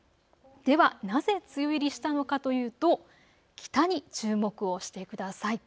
では、なぜ梅雨入りしたのかというと北に注目をしてください。